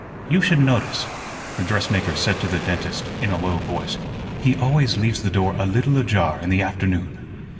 "You should notice," the dressmaker said to the dentist, in a low voice, "he always leaves the door a little ajar in the afternoon."